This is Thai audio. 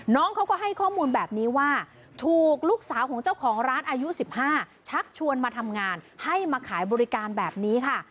น้องเขาก็ให้ข้อมูลแบบนี้ว่าถูกลูกสาวของเจ้าของร้านอายุ๑๕ชักชวนมาทำงานให้มาขายบริการแบบนี้ค่ะ